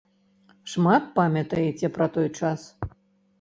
Шмат памятаеце пра той час?